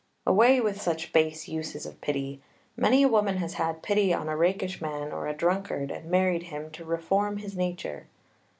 Away with such base uses of pity! Many a woman has had pity on a rakish man or a drunkard and married him to reform his nature.